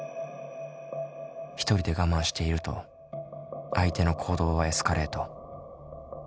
１人で我慢していると相手の行動はエスカレート。